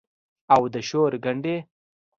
او د شور ګنډي